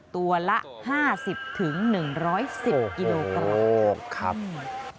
ตัวละ๕๐๑๑๐กิโลกรัม